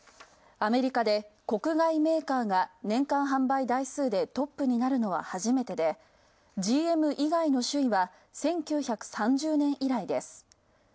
アメリカで国外メーカーが年間販売台数でトップになるのは初めてで、ＧＭ以外の主意は１９３０年以来です。